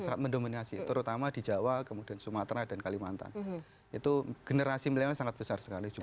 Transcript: sangat mendominasi terutama di jawa kemudian sumatera dan kalimantan itu generasi milenial sangat besar sekali juga